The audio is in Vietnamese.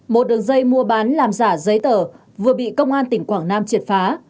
một đường dây mua bán làm giả giấy tờ vừa bị công an tỉnh quảng nam triệt phá